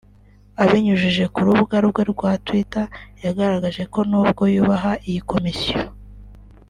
abinyujije ku rubuga rwe rwa Twitter yagaragaje ko n’ubwo yubaha iyi Komisiyo